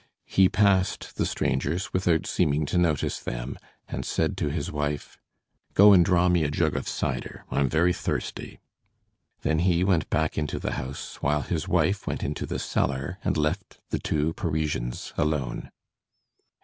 He passed the strangers without seeming to notice them and said to his wife: "Go and draw me a jug of cider; I am very thirsty." Then he went back into the house, while his wife went into the cellar and left the two Parisians alone.